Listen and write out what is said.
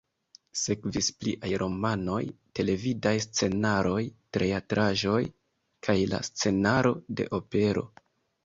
Sekvis pliaj romanoj, televidaj scenaroj, teatraĵoj kaj la scenaro de opero.